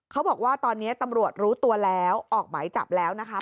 เขาบอกว่าตอนนี้ตำรวจรู้ตัวแล้วออกหมายจับแล้วนะคะ